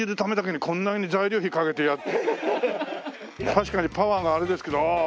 確かにパワーがあれですけどああ